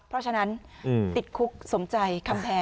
เพราะฉะนั้นติดคุกสมใจคำแพง